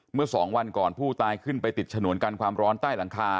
เมื่อสองวันก่อนผู้ตายขึ้นไปติดฉนวนกันความร้อนใต้หลังคา